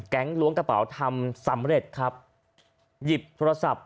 ล้วงกระเป๋าทำสำเร็จครับหยิบโทรศัพท์